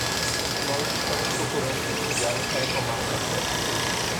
Nós estamos procurando um lugar para tomar café